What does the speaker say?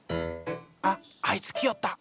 あっあいつ来よった。